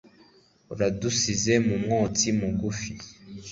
Uradusize umwotsi mugufi